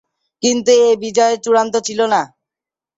কিন্তু এ বিজয় চূড়ান্ত ছিল না।